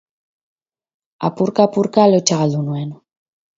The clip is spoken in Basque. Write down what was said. Apurka-apurka lotsa galdu nuen.